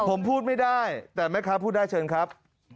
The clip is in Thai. ผมพูดไม่ได้แต่แม่ค้าพูดได้เชิญครับ